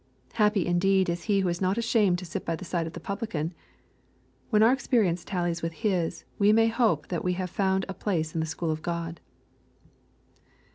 Happy indeed is he who is not ashamed to sit by the side of the publican ! When our experience tallies with bis, we may hope that we have found a place in the school of God.